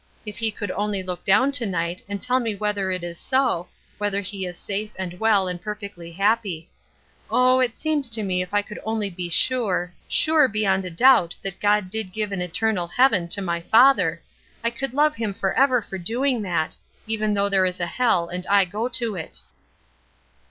If he could only look down to night and tell me whether it is so, whether he is safe and well and perfectly happy. Oh, it seems to me if I could only be sure, sure beyond a doubt that God did give an eternal heaven to my father, I could love him forever for doing that, even though there is a hell and I go to it."